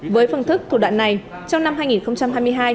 với phương thức thủ đoạn này trong năm hai nghìn hai mươi hai